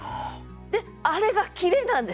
であれが切れなんです。